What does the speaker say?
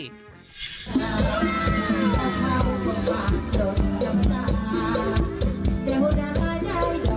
เม่เฮเฮเฮ